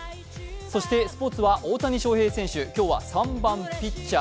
そしてスポーツは大谷翔平選手、今日は３番・ピッチャー